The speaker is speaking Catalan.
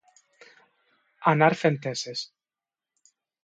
Anar fent esses.